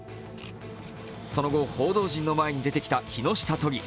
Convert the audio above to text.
その後、報道陣の前に出てきた木下都議。